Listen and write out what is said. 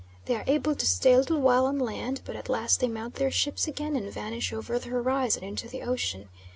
They are able to stay a little while on land, but at last they mount their ships again and vanish over the horizon into the ocean.